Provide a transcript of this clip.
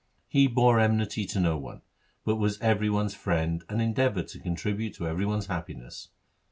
He bore enmity to no one, but was every one's friend and endeavoured to contribute to every one's happiness.